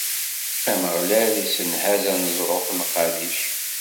Ameɣlal issenhaz aneẓruf n Qadic.